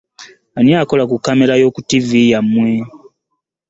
Ani akola ku kkamera yo ku ttivi yammwe?